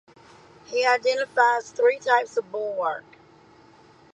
He identifies three types of bulwark.